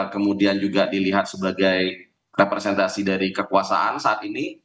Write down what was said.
kemudian juga dilihat sebagai representasi dari kekuasaan saat ini